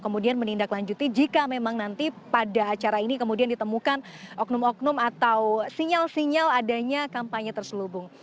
kemudian menindaklanjuti jika memang nanti pada acara ini kemudian ditemukan oknum oknum atau sinyal sinyal adanya kampanye terselubung